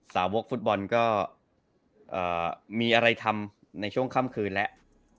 สาวกฟุตบอลก็มีอะไรทำในช่วงค่ำคืนแล้ว